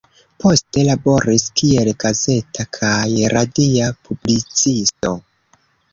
Poste laboris kiel gazeta kaj radia publicisto.